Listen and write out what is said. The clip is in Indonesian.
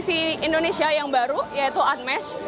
yang di sisi indonesia yang baru yaitu unmesh